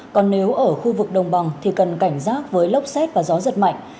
còn nếu ở khu vực đồng bằng thì cần cảnh giác với lốc xét và gió giật mạnh